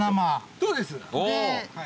そうです。